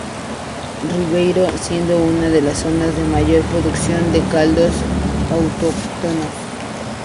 Ribeiro, siendo una de las zonas de mayor producción de caldos autóctonos.